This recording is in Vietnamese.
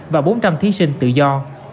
và bốn trăm linh thí sinh tự do